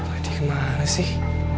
lady kemana sih